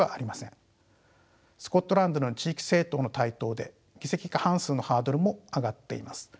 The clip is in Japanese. スコットランドでの地域政党の台頭で議席過半数のハードルも上がっています。